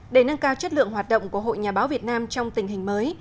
để nâng cao chất lượng hoạt động của hội nhà báo việt nam trong tình hình mới